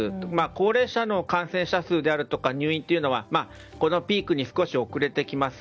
高齢者の感染者数であるとか入院はピークに少し遅れてきます。